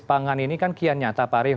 pangan ini kan kian nyata pak arief